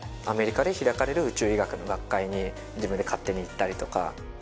アメリカで開かれる宇宙医学の学会に自分で勝手に行ったりとか。